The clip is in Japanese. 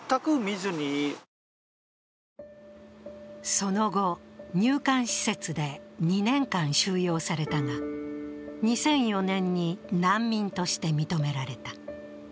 その後、入管施設で２年間収容されたが、２００４年に難民として認められた。